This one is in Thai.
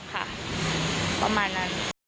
ค่ะประมาณนั้น